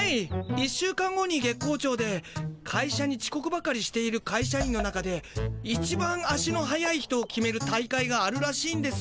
１週間後に月光町でかいしゃにちこくばかりしているかいしゃ員の中でいちばん足の速い人を決める大会があるらしいんです。